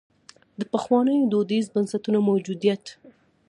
د پخوانیو دودیزو بنسټونو موجودیت.